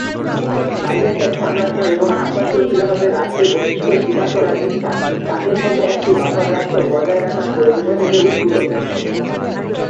Byzantine সাম্রাজ্য এবং আব্বাসীয় খিলাফতের রাষ্ট্রের অস্তিত্ব স্বীকার করার ইচ্ছা তাদের মধ্যে একটি বাফার রাষ্ট্র বজায় রাখার প্রয়োজনীয়তা থেকে উদ্ভূত।